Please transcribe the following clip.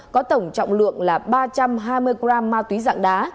có tổng trọng lượng là ba trăm hai mươi g ma túy dạng đá